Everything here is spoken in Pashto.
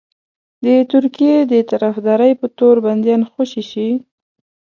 د ترکیې د طرفدارۍ په تور بنديان خوشي شي.